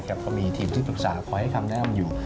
แต่ก็มีทีมที่ปรึกษาคอยให้คำแนะนำอยู่